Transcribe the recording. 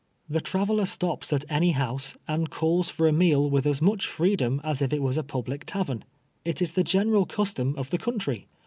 The traveler stops at VISIT TO BAYOU BCEUF. 159 any house and calls tor a meal with as mncli freedom as if it was a public tavern. It is the general custom of the countrj.